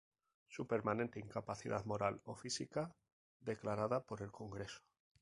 Su permanente incapacidad moral o física, declarada por el Congreso.